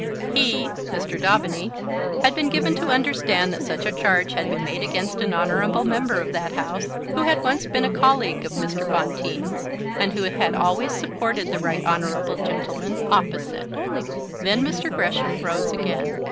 He Mr. Daubeny had been given to understand that such a charge had been made against an honourable member of that House, who had once been a colleague of Mr. Bonteen's, and who had always supported the right honourable gentleman opposite. Then Mr. Gresham rose again.